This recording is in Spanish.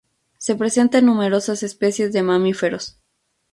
Se presentan numerosas especies de mamíferos.